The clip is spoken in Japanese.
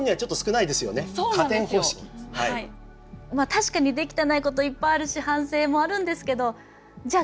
確かにできてないこといっぱいあるし反省もあるんですけどじゃあ